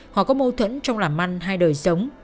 họ có mâu thuẫn trong làm ăn hay đời sống